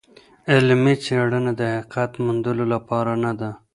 علمي څېړنه د حقیقت موندلو لپاره نده.